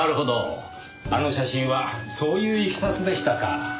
あの写真はそういういきさつでしたか。